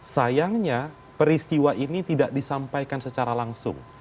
sayangnya peristiwa ini tidak disampaikan secara langsung